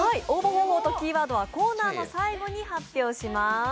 応募方法とキーワードはコーナーの最後に発表します。